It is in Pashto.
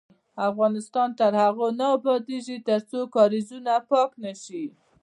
افغانستان تر هغو نه ابادیږي، ترڅو کاریزونه پاک نشي.